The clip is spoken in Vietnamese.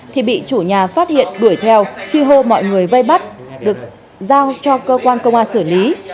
thì bị chủ nhà phát hiện đuổi theo truy hô mọi người vây bắt được giao cho cơ quan công an xử lý